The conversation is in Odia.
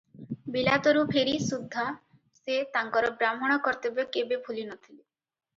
ବିଲାତରୁ ଫେରି ସୁଦ୍ଧା ସେ ତାଙ୍କର ବ୍ରାହ୍ମଣ କର୍ତ୍ତବ୍ୟ କେବେ ଭୁଲି ନ ଥିଲେ ।